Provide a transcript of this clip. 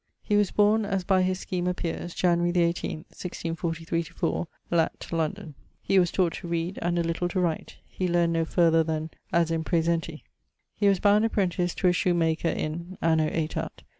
He was borne, as by his scheme appeares, January the 18ᵗʰ, 1643/4, lat. London. He was taught to read, and a little to write. He learn'd no farther then As in praesenti. He was bound apprentice to a shoe maker in ..., anno aetat....